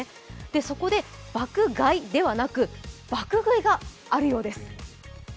そこで爆買いではなく、爆食いがあるようです。